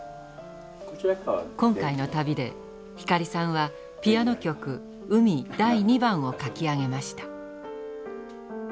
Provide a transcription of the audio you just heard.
今回の旅で光さんはピアノ曲「海第２番」を書き上げました。